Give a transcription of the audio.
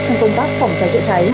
trong công tác phòng cháy chữa cháy